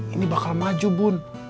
ini bakal maju bun